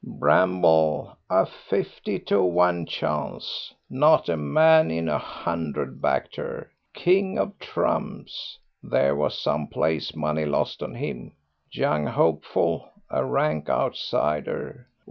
"Bramble, a fifty to one chance, not a man in a hundred backed her; King of Trumps, there was some place money lost on him; Young Hopeful, a rank outsider.